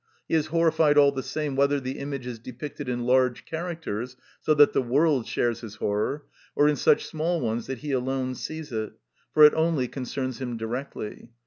He is horrified all the same whether the image is depicted in large characters, so that the world shares his horror, or in such small ones that he alone sees it, for it only concerns him directly.